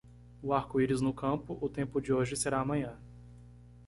O arco-íris no campo, o tempo de hoje será amanhã.